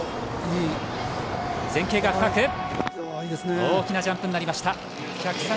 前傾が深く大きなジャンプになりました。